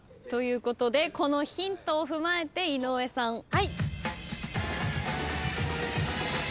ということでこのヒントを踏まえて井上さん。